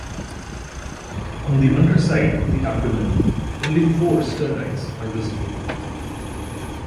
On the underside of the abdomen only four sternites are visible.